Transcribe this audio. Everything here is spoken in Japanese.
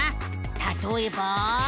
たとえば。